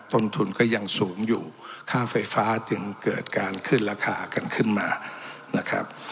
ต้นทุนก็ยังสูงอยู่ค่าไฟฟ้าจึงเกิดการขึ้นราคากันขึ้นมานะครับ